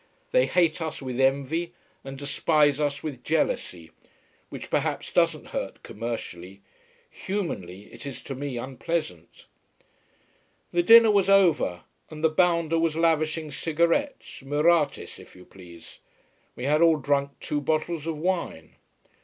They hate us, with envy, and despise us, with jealousy. Which perhaps doesn't hurt commercially. Humanly it is to me unpleasant. The dinner was over, and the bounder was lavishing cigarettes Murattis, if you please. We had all drunk two bottles of wine.